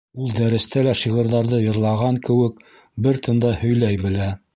Ул дәрестә лә шиғырҙарҙы йырлаған кеүек бер тында һөйләй белә...